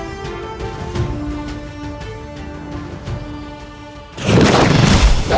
aku harus menolongnya